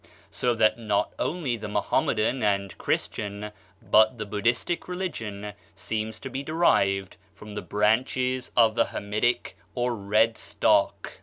So that not only the Mohammedan and Christian but the Buddhistic religion seem to be derived from branches of the Hamitic or red stock.